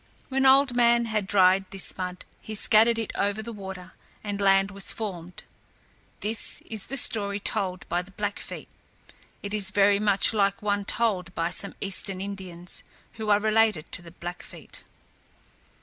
When Old Man had dried this mud, he scattered it over the water and land was formed. This is the story told by the Blackfeet. It is very much like one told by some Eastern Indians, who are related to the Blackfeet.